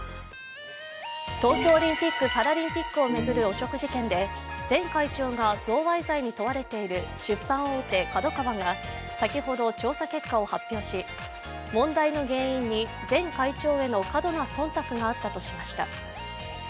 東京オリンピック・パラリンピックを巡る汚職事件で前会長が贈賄罪に問われている出版大手、ＫＡＤＯＫＡＷＡが先ほど調査結果を発表し、問題の原因に前会長への過度なそんたくがあったとしました。